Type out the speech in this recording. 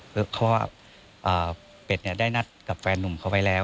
เพราะว่าเป็ดได้นัดกับแฟนหนุ่มเขาไปแล้ว